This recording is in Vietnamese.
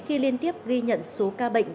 khi liên tiếp ghi nhận số ca bệnh